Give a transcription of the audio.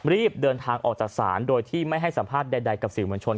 รีบเดินทางออกจากศาลโดยที่ไม่ให้สัมภาษณ์ใดกับสื่อมวลชน